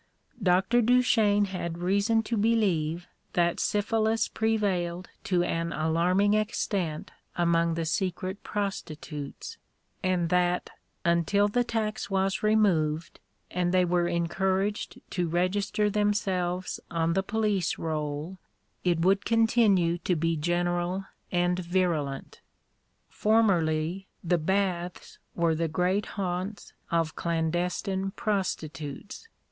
Dr. Duchesne had reason to believe that syphilis prevailed to an alarming extent among the secret prostitutes, and that, until the tax was removed, and they were encouraged to register themselves on the police roll, it would continue to be general and virulent. Formerly the baths were the great haunts of clandestine prostitutes.